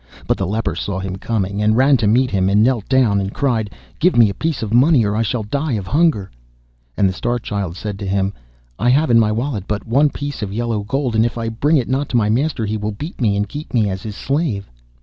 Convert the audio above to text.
But the leper saw him coming, and ran to meet him, and knelt down and cried, 'Give me a piece of money or I shall die of hunger.' And the Star Child said to him, 'I have in my wallet but one piece of yellow gold, and if I bring it not to my master he will beat me and keep me as his slave.